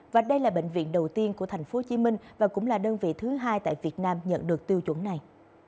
và đây là bệnh viện đầu tiên của tp hcm và cũng là đơn vị thứ hai tại việt nam nhận được tiêu chuẩn này